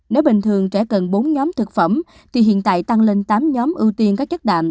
nếu bình thường trẻ cần bốn nhóm thực phẩm thì hiện tại tăng lên tám nhóm ưu tiên các chất đạm